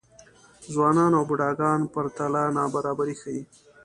ځوانان او بوډاګان پرتله نابرابري ښيي.